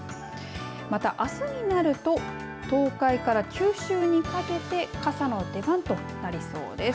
またあすになると東海から九州にかけて傘の出番となりそうです。